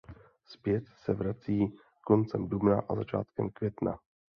Zpět se vrací koncem dubna a začátkem května.